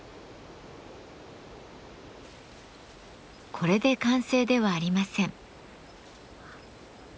これで完成ではありません。